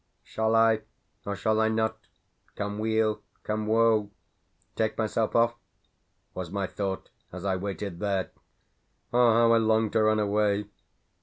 "Shall I, or shall I not (come weal, come woe) take myself off?" was my thought as I waited there. Ah, how I longed to run away!